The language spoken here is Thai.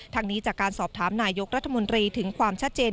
ทางนี้จากการสอบถามนายกรัฐมนตรีถึงความชัดเจน